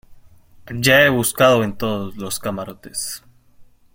ya he buscado en todos los camarotes.